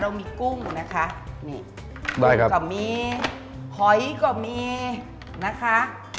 เรามีกุ้งนะคะนี่ได้ครับก็มีหอยก็มีนะคะ